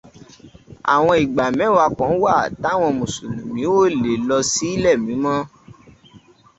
Àwọn ìgbà mẹ́wàá kan wà táwọn mùsùlùmí ò lè lọ sílẹ̀ mímọ́.